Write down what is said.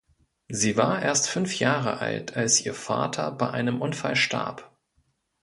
Sie war erst fünf Jahre alt, als ihr Vater bei einem Unfall starb.